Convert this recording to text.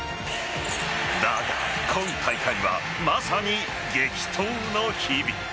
だが、今大会はまさに激闘の日々。